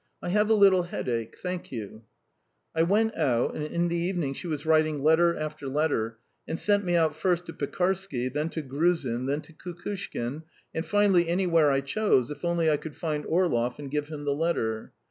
"I have a little headache. ... Thank you." I went out, and in the evening she was writing letter after letter, and sent me out first to Pekarsky, then to Gruzin, then to Kukushkin, and finally anywhere I chose, if only I could find Orlov and give him the letter.